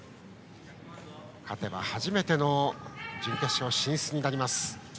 勝てば初めての準決勝進出になります。